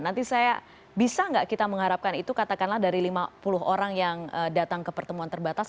nanti saya bisa nggak kita mengharapkan itu katakanlah dari lima puluh orang yang datang ke pertemuan terbatas